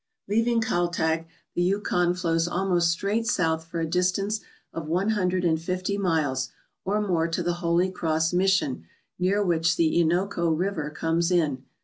Leaving Kaltag, the Yukon flows almost straight south for a distance of one hundred and fifty miles or more to the Holy Cross Mission, near which the Innoko River comes in.